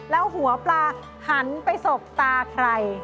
แล้วหัวปลาหันไปสบตาใคร